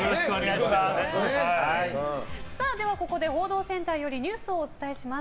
ではここで報道センターからニュースをお伝えします。